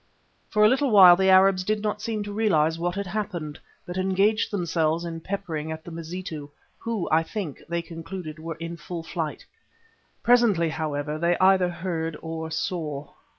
For a little while the Arabs did not seem to realise what had happened, but engaged themselves in peppering at the Mazitu, who, I think, they concluded were in full flight. Presently, however, they either heard or saw.